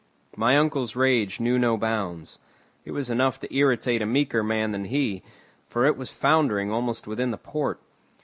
My uncle's rage knew no bounds. It was enough to irritate a meeker man than he; for it was foundering almost within the port.